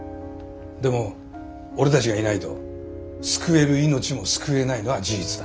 でも俺たちがいないと救える命も救えないのは事実だ。